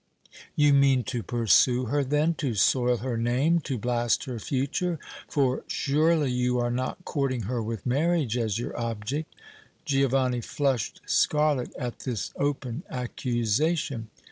"You mean to pursue her then, to soil her name, to blast her future, for surely you are not courting her with marriage as your object?" Giovanni flushed scarlet at this open accusation.